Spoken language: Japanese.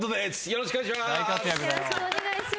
よろしくお願いします。